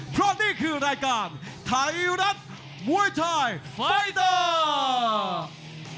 เพราะนี่คือรายการไทยรัฐมวยไทยไฟเตอร์